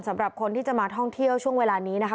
สำหรับคนที่จะมาท่องเที่ยวช่วงเวลานี้นะคะ